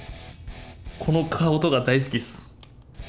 この顔とか大好きっす。